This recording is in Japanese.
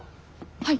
はい。